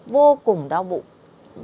vô cùng đau bụng